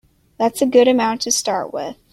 That's a good amount to start with.